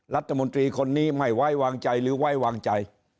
รัฐมนตรีคนนี้ไม่ไว้วางใจหรือไว้วางใจ